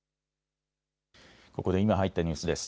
ここで今入ったニュースです。